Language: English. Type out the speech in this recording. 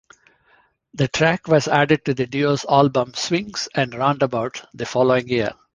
The track was added to the duo's album "Swings and Roundabouts" the following year.